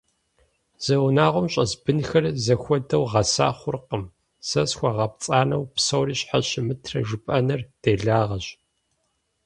Зы унагъуэм щӀэс бынхэр зэхуэдэу гъэса хъуркъым, сэ схуэгупцӀанэу псори щхьэ щымытрэ жыпӀэныр делагъэщ.